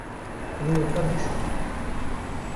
Rûyê xwe bişo.